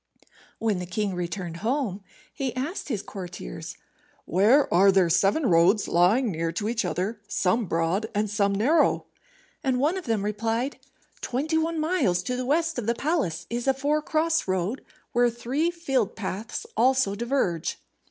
When the king returned home, he asked his courtiers, "Where are there seven roads lying near to each other, some broad, and some narrow?" And one of them replied, "Twenty one miles to the west of the palace is a four cross road, where three field paths also diverge."